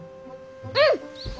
うん！